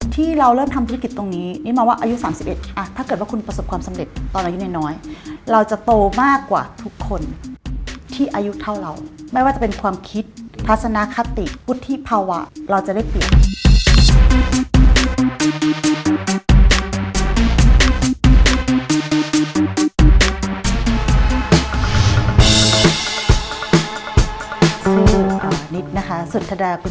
ที่เราเริ่มทำธุรกิจตรงนี้นี่มองว่าอายุ๓๑ถ้าเกิดว่าคุณประสบความสำเร็จตอนอายุน้อยเราจะโตมากกว่าทุกคนที่อายุเท่าเราไม่ว่าจะเป็นความคิดทัศนคติวุฒิภาวะเราจะได้เปรียบ